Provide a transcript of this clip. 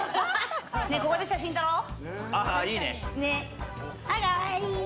ねぇ、ここで写真撮ろう！